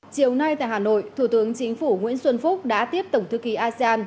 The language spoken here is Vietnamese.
chiều nay tại hà nội thủ tướng chính phủ nguyễn xuân phúc đã tiếp tổng thư ký asean